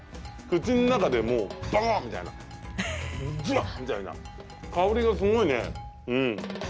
口の中でもう、バコンみたいなじゅわっみたいな香りがすごいね。